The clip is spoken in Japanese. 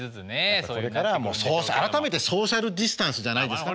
これからは改めてソーシャルディスタンスじゃないですか？